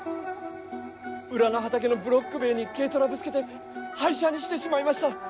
裏の畑のブロック塀に軽トラぶつけて廃車にしてしまいました